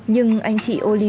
nhưng anh chị tôi không biết